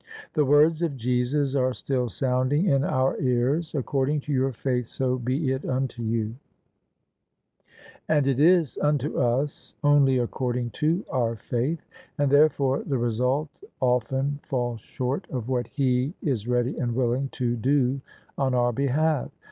The words of Jesus are still sounding in our ears, " According to your faith so be it unto you: " and [ 324 ] OF ISABEL CARNABY it is unto us only according to our faith; and therefore the result often falls short of what He is ready and willing to do on our behalf.